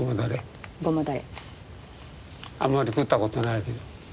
あんまり食ったことないけど。